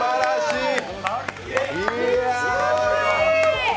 すばらしい！